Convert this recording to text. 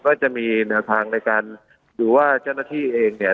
ก็จะมีแนวทางในการดูว่าเจ้าหน้าที่เองเนี่ย